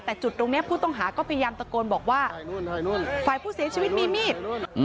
แต่จุดตรงนี้ผู้ต้องหาก็พยายามตะโกนบอกว่าฝ่ายผู้เสียชีวิตมีมีด